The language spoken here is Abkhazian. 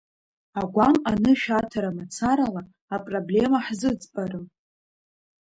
Агәам анышә аҭара мацарала апроблема ҳзыӡбарым.